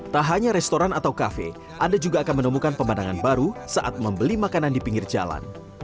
tak hanya restoran atau kafe anda juga akan menemukan pemandangan baru saat membeli makanan di pinggir jalan